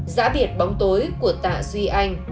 giã biệt bóng tối của tạ duy anh